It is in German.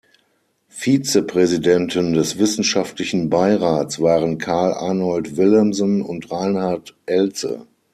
Vizepräsidenten des wissenschaftlichen Beirats waren Carl Arnold Willemsen und Reinhard Elze.